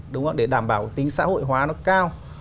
đúng không để đảm bảo tính xã hội hóa nó cao